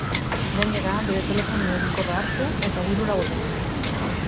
Gainera, bere telefono mugikorra hartu eta burura bota zion.